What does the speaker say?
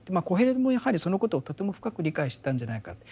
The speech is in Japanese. コヘレトもやはりそのことをとても深く理解してたんじゃないか。